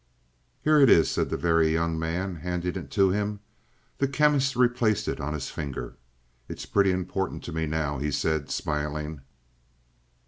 "Here is it," said the Very Young Man, handing it to him. The Chemist replaced it on his finger. "It's pretty important to me now," he said, smiling.